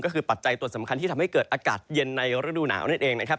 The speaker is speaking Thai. ก็คือปัจจัยตัวสำคัญที่ทำให้เกิดอากาศเย็นในฤดูหนาวนั่นเองนะครับ